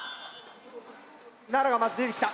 奈良がまず出てきた。